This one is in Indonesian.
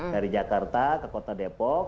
dari jakarta ke kota depok